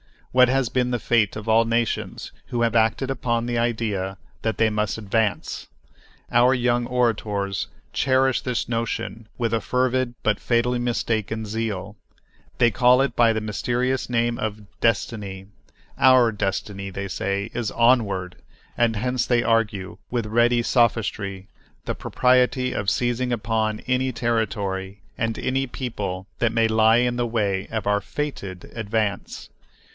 What has been the fate of all nations who have acted upon the idea that they must advance! Our young orators cherish this notion with a fervid but fatally mistaken zeal. They call it by the mysterious name of "destiny." "Our destiny," they say, is "onward," and hence they argue, with ready sophistry, the propriety of seizing upon any territory and any people that may lie in the way of our "fated" advance.